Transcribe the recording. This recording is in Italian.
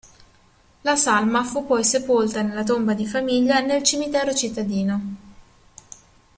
La salma fu poi sepolta nella tomba di famiglia nel cimitero cittadino.